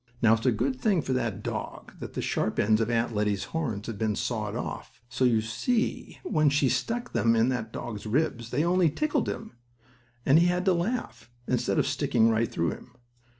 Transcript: Now, it's a good thing for that dog that the sharp ends of Aunt Lettie's horns had been sawed off. So, you see, when she stuck them in that dog's ribs, they only tickled him and he had to laugh, instead of sticking right through him.